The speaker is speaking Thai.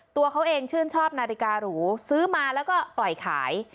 ตัวเขาเองชื่นชอบนาฬิการูซื้อมาแล้วก็ปล่อยขาย